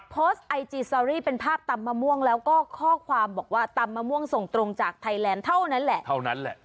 โพสต์ไอจีสตอรี่เป็นภาพตำมะม่วงแล้วก็ข้อความบอกว่าตำมะม่วงส่งตรงจากไทยแลนด์เท่านั้นแหละเท่านั้นแหละ